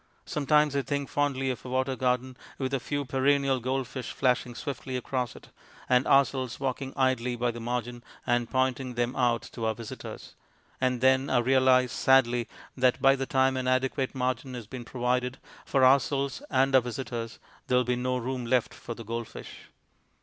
Sometimes I think fondly of a water garden, with a few perennial gold fish flashing swiftly across it, and ourselves walking idly by the margin and pointing them out to our visitors; and then I realize sadly that, by the time an adequate margin has been provided for ourselves and our visitors, there will be no room left for the gold fish.